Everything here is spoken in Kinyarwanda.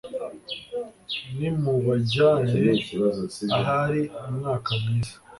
Nimubajyane ahari umwuka mwiza,